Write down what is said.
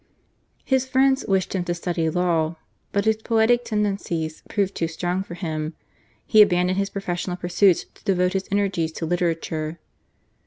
His friends wished him to study law; but, his poetic tendencies proving too strong for him, he abandoned his professional pursuits to devote his energies to literature.